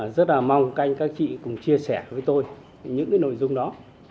rất là mong canh các chị cùng chia sẻ với tôi những cái nội dung đó